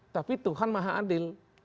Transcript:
tapi tuhan maha adil